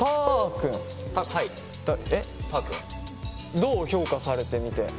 どう評価されてみて。